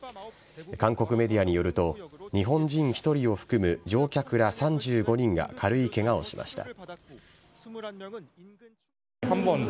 韓国メディアによると、日本人１人を含む乗客ら３５人が軽いけがをしました。